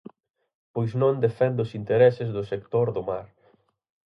Pois non defende os intereses do sector do mar.